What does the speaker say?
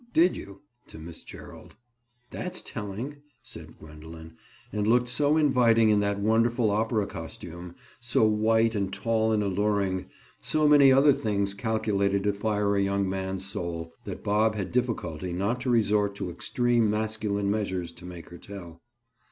Did you?" To Miss Gerald. "That's telling," said Gwendoline, and looked so inviting in that wonderful opera costume, so white and tall and alluring, so many other things calculated to fire a young man's soul, that Bob had difficulty not to resort to extreme masculine measures to make her tell.